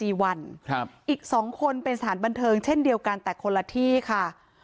อีก๒คนเป็นสถานบันเทิงเช่นเดียวกันแต่คนละที่ค่ะ